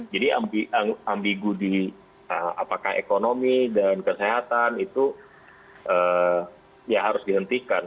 jadi ambigus di apakah ekonomi dan kesehatan itu ya harus dihentikan